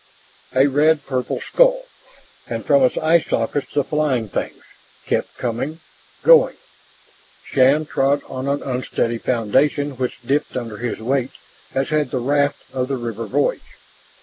A red purple skull and from its eye sockets the flying things kept coming ... going.... Shann trod on an unsteady foundation which dipped under his weight as had the raft of the river voyage.